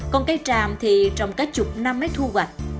còn cây tràm thì trồng các chục năm mới thu hoạch